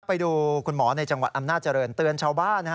ไปดูคุณหมอในจังหวัดอำนาจริงเตือนชาวบ้าน